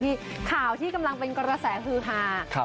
มีข่าวที่กำลังเป็นกระแสฮือฮา